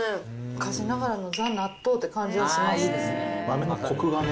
昔ながらのザ・納豆って感じしますね。